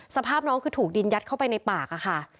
สภาพน้องคือถูกดินยัดเข้าไปในปากค่ะ